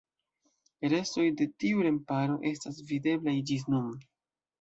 Restoj de tiu remparo estas videblaj ĝis nun.